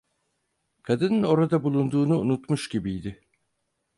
Kadının orada bulunduğunu unutmuş gibiydi.